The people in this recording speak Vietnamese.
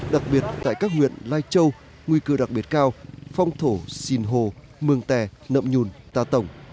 đặc biệt tại các huyện lai châu nguy cơ đặc biệt cao phong thổ sinh hồ mường tè nậm nhùn tà tổng